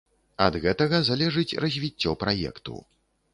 Ад гэтага залежыць развіццё праекту.